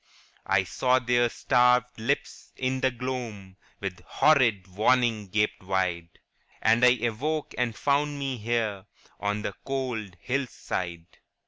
* I saw their starved lips in the gloam With horrid warning gaped wide, And I awoke and found me here On the cold hill side.